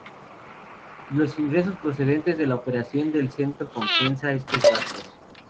Los ingresos procedentes de la operación del Centro compensa estos gastos.